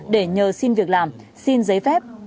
để nhờ xin việc làm xin giấy phép